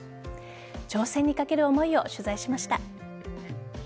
挑戦にかける思いを取材しました。